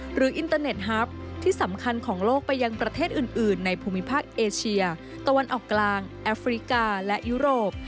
อินเตอร์เน็ตฮับที่สำคัญของโลกไปยังประเทศอื่นในภูมิภาคเอเชียตะวันออกกลางแอฟริกาและยุโรป